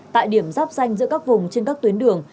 tại điểm rắp xanh giữa các vùng trên các tuyến đường